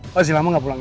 masih lama gak pulangnya